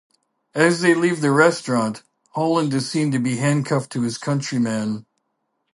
As they leave the restaurant, Holland is seen to be handcuffed to his countryman.